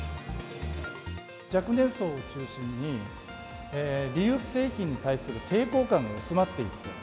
若年層を中心に、リユース製品に対する抵抗感が薄まっていると。